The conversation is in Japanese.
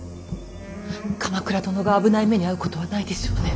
鎌倉殿が危ない目に遭うことはないでしょうね。